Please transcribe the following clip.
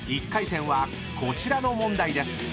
１回戦はこちらの問題です］